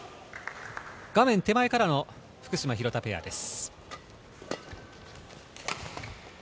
画面手前からの福島・廣田ペアです。